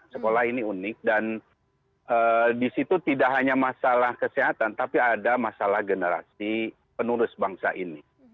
sekolah ini unik dan di situ tidak hanya masalah kesehatan tapi ada masalah generasi penurus bangsa ini